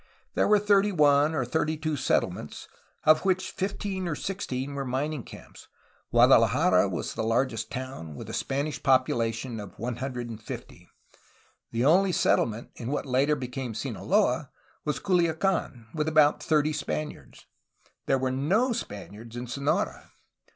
There were thirty one or thirty two settlements, of which fifteen or sixteen were mining camps. Guadalajara was the largest town, with a Spanish population of 150. The only settlement in what later became Sinaloa was Culiacan with about thirty Spaniards. There were no Spaniards in Sonora.